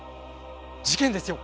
事件ですよ。